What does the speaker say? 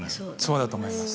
そうだと思います。